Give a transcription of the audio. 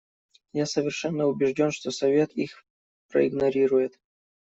Я совершенно убежден, что Совет их проигнорирует.